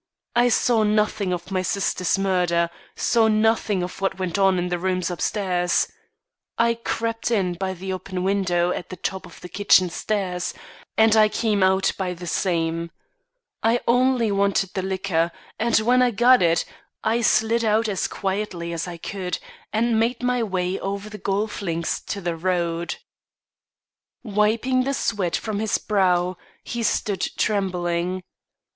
I saw nothing of my sister's murder; saw nothing of what went on in the rooms upstairs. I crept in by the open window at the top of the kitchen stairs, and I came out by the same. I only wanted the liquor, and when I got it, I slid out as quickly as I could, and made my way over the golf links to the Road." Wiping the sweat from his brow, he stood trembling.